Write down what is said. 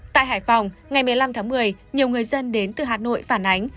tại hải phòng ngày một mươi năm tháng một mươi nhiều người dân đến từ hà nội phản ánh